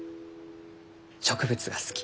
植物が好き。